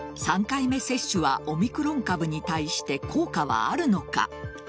３回目接種はオミクロン株に対して効果はあるのか。